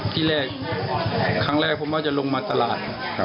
ที่แรกครั้งแรกผมว่าจะลงมาตลาด